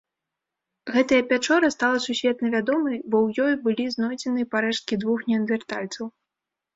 Гэтая пячора стала сусветна вядомай, бо ў ёй былі знойдзены парэшткі двух неандэртальцаў.